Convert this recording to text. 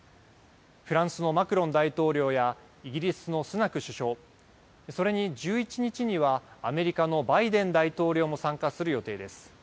フランスのマクロン大統領やイギリスのスナク首相、それに１１日には、アメリカのバイデン大統領も参加する予定です。